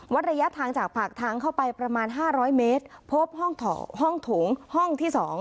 ระยะทางจากปากทางเข้าไปประมาณ๕๐๐เมตรพบห้องโถงห้องที่๒